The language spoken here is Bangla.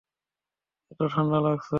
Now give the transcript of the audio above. এত ঠাণ্ডা লাগছে।